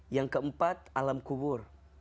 yang keempat alam kubur